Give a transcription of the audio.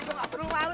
gue nggak peduli